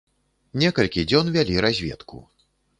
Некалькі дзён вялі разведку.